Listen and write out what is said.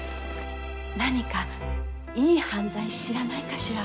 何かいい犯罪知らないかしら。